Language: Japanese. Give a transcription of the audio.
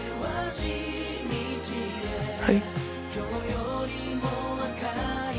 はい？